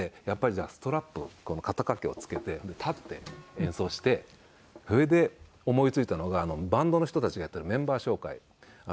やっぱりストラップを肩掛けをつけて立って演奏してそれで思いついたのがバンドの人たちがやってるメンバー紹介。